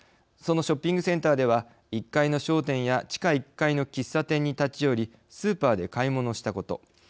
そのショッピングセンターでは１階の商店や地下１階の喫茶店に立ち寄りスーパーで買い物したこと。